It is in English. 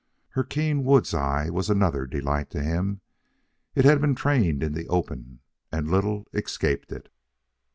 Her keen woods eye was another delight to him. It had been trained in the open, and little escaped it.